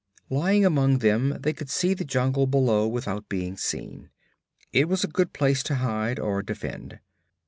Lying among them they could see the jungle below without being seen. It was a good place to hide or defend.